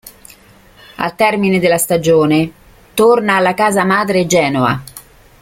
Al termine della stagione, torna alla casa-madre Genoa.